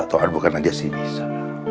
atau bukan aja sih bisa